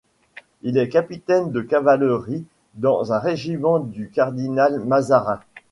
Il est capitaine de cavalerie dans un régiment du cardinal Mazarin.